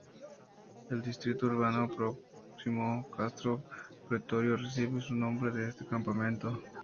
El distrito urbano próximo "Castro Pretorio" recibe su nombre de este campamento.